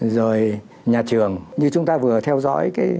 rồi nhà trường như chúng ta vừa theo dõi